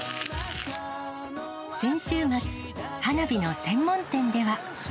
先週末、花火の専門店では。